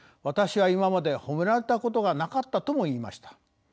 「私は今まで褒められたことがなかった」とも言いました。